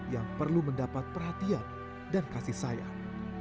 yang perlu mendapat perhatian dan kasih sayang